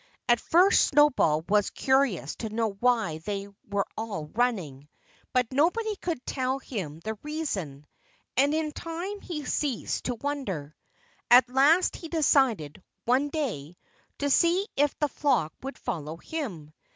At first Snowball was curious to know why they were all running. But nobody could tell him the reason. And in time he ceased to wonder. At last he decided, one day, to see if the flock would follow him.